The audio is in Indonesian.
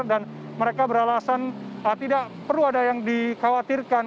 dan mereka beralasan tidak perlu ada yang dikhawatirkan